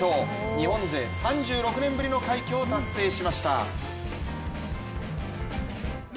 日本勢３６年ぶりの快挙を達成しました。